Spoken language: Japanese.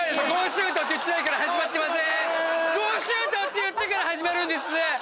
「ゴーシュート！」って言ってから始まるんです！